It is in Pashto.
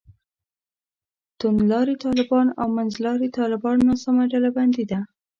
توندلاري طالبان او منځلاري طالبان ناسمه ډلبندي ده.